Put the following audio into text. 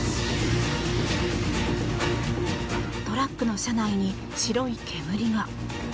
トラックの車内に白い煙が。